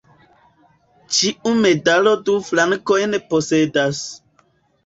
Ĉiu medalo du flankojn posedas.